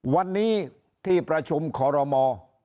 วันนี้ที่ประชาชาชา